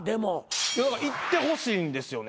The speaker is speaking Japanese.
行ってほしいんですよね